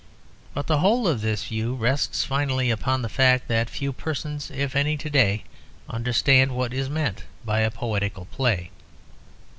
But the whole of this view rests finally upon the fact that few persons, if any, to day understand what is meant by a poetical play.